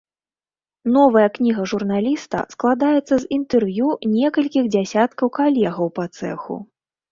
Новая кніга журналіста складаецца з інтэрв'ю некалькіх дзесяткаў калегаў па цэху.